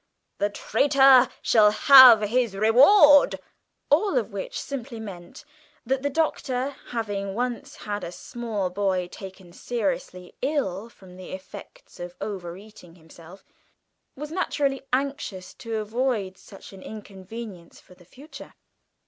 The traitor shall have his reward!" All of which simply meant that the Doctor, having once had a small boy taken seriously ill from the effects of overeating himself, was naturally anxious to avoid such an inconvenience for the future.